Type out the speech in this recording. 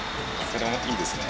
それもいいですね。